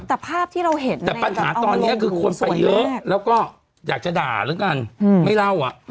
แต่ภาพที่เราเห็นแต่ปัญหาตอนนี้คือคนไปเยอะแล้วก็อยากจะด่าแล้วกันไม่เล่าอ่ะ